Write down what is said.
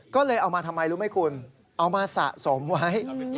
ก็เลยเอามาทำไมรู้ไหมคุณเอามาสะสมไว้